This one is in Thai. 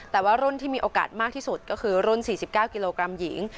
แต่ว่ารุ่นที่มีโอกาสมากที่สุดก็คือรุ่น๔๙กิโลกรัมหญิง